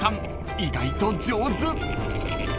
意外と上手］